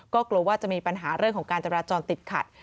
ก็กลัวว่าจะมีปัญหาเรื่องของการจราจรติดขัด